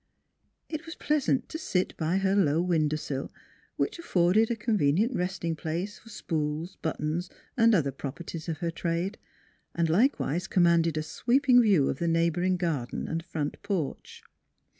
It was pleasant to sit by her low window sill, which afforded a convenient resting 132 NEIGHBORS place for spools, buttons, and other properties of her trade, and likewise commanded a sweeping view of the neighboring garden and front porch.